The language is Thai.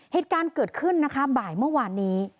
เหตุการณ์เกิดขึ้นนะคะบ่ายเมื่อวานนี้